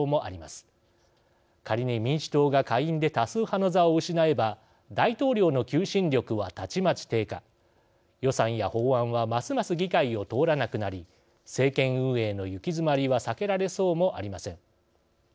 仮に民主党が下院で多数派の座を失えば大統領の求心力はたちまち低下予算や法案はますます議会を通らなくなり政権運営の行き詰まりは避けられそうもありません。